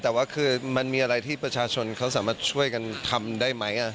แต่ว่าคือมันมีอะไรที่ประชาชนเขาสามารถช่วยกันทำได้ไหม